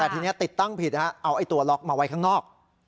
แต่ทีนี้ติดตั้งผิดเอาตัวล็อกมาไว้ข้างนอก